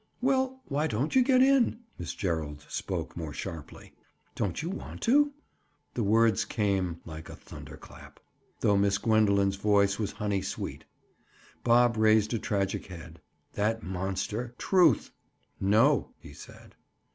"Well, why don't you get in?" Miss Gerald spoke more sharply. "Don't you want to?" The words came like a thunder clap, though Miss Gwendoline's voice was honey sweet. Bob raised a tragic head. That monster, Truth! "No," he said.